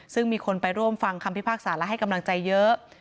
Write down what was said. ซึ่งมีคนไปร่วมฟังคำพิพากษาและให้กำลังใจเยอะ